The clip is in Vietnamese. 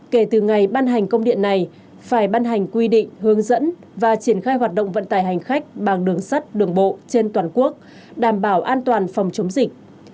kể từ ngày ban hành công điện này phải ban hành quy định hướng dẫn và triển khai hoạt động vận tải hành khách bằng đường sắt đường bộ trên toàn quốc đảm bảo an toàn phòng chống dịch